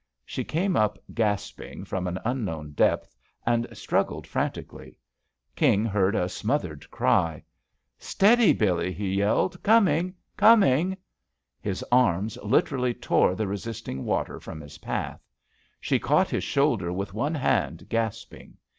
She came up gasping from an unknown depth, and strug gled frantically. King heard a smothered cry. "Stead]', BiUeel" he yelled. *'ComingI Coming!'* His arms literally tore the resist ing water from his path. She caught his shoulder with one hand, gasping.